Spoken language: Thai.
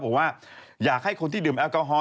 บอกว่าอยากให้คนที่ดื่มแอลกอฮอล